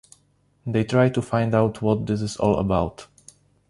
They try to find out what this is all about.